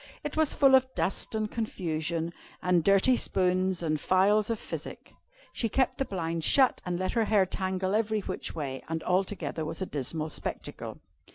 It was full of dust and confusion, and dirty spoons and phials of physic. She kept the blinds shut, and let her hair tangle every which way, and altogether was a dismal spectacle.